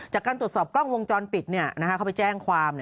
จากการตรวจสอบกล้องวงจรปิดเขาไปแจ้งความ